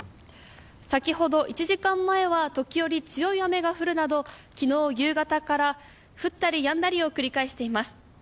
先ほど１時間前は時折強い雨が降るなど、昨日夕方から降ったりやんだりを繰り返しています。